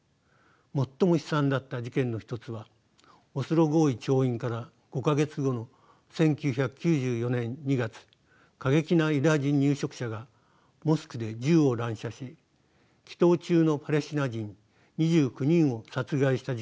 最も悲惨だった事件の一つはオスロ合意調印から５か月後の１９９４年２月過激なユダヤ人入植者がモスクで銃を乱射し祈とう中のパレスチナ人２９人を殺害した事件です。